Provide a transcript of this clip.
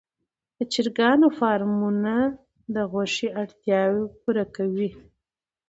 د چرګانو فارمونه د غوښې اړتیا پوره کوي.